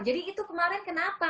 jadi itu kemarin kenapa